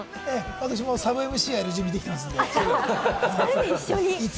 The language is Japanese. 私もサブＭＣやる準備できてますんで。